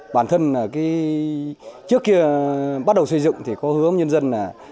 bản thân trước kia bắt đầu xây dựng thì có hứa nhân dân